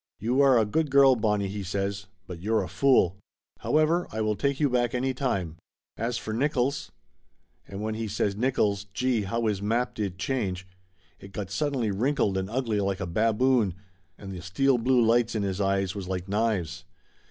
"You are a good girl, Bonnie," he says, "but you're a fool. However, I will take you back any time. As for Nickolls " And when he says Nickolls, Gee, how his map did change! It got suddenly wrinkled and ugly like a baboon, and the steel blue lights in his eyes was like knives.